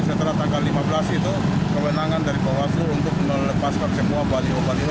setelah tanggal lima belas itu kemenangan dari bawaslu untuk melepaskan semua balio balio